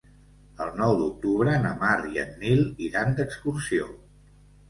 El nou d'octubre na Mar i en Nil iran d'excursió.